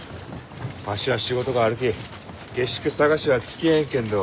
わしは仕事があるき下宿探しはつきあえんけんど。